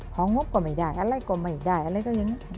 ของงบก็ไม่ได้อะไรก็ไม่ได้อะไรก็อย่างนี้